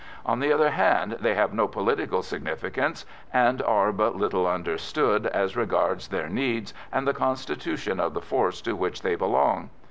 On the other hand, they have no political significance, and are but little understood, as regards their needs and the constitution of the force to which they belong.